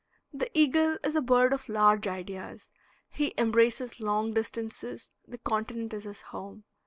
The eagle is a bird of large ideas, he embraces long distances; the continent is his home.